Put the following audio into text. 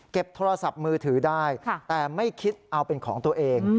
โทรศัพท์มือถือได้แต่ไม่คิดเอาเป็นของตัวเอง